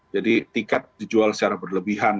jadi tiket dijual secara berlebihan